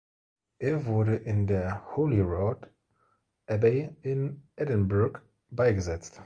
Er wurde in der Holyrood Abbey in Edinburgh beigesetzt.